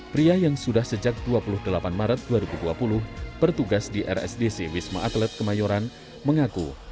pria yang sudah sejak dua puluh delapan maret dua ribu dua puluh bertugas di rsdc wisma atlet kemayoran mengaku